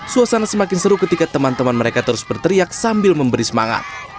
suasana semakin seru ketika teman teman mereka terus berteriak sambil memberi semangat